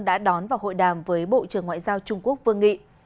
đã đón và hội đàm với bộ trưởng ngoại giao trung quốc vương nghị